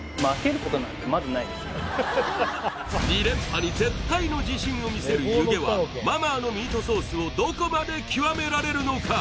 なんで２連覇に絶対の自信をみせる弓削はマ・マーのミートソースをどこまで極められるのか？